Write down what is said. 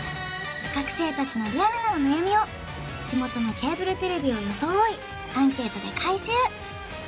学生達のリアルなお悩みを地元のケーブルテレビを装いアンケートで回収